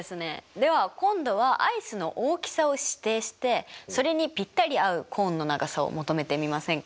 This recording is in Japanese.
では今度はアイスの大きさを指定してそれにぴったり合うコーンの長さを求めてみませんか。